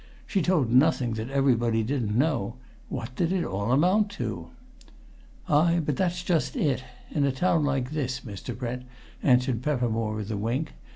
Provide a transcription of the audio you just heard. "She told nothing that everybody didn't know. What did it all amount to?" "Ay, but that's just it, in a town like this, Mr. Brent," answered Peppermore with a wink.